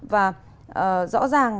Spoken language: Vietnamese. và rõ ràng